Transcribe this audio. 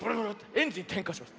エンジンてんかします。